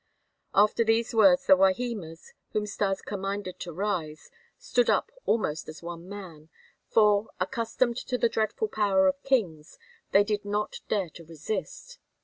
After these words the Wahimas, whom Stas commanded to rise, stood up almost as one man, for, accustomed to the dreadful power of kings, they did not dare to resist.